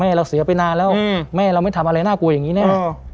เราเสียไปนานแล้วแม่เราไม่ทำอะไรน่ากลัวอย่างนี้แน่